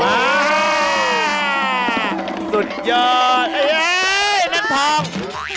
มาสุดยอดนักทอง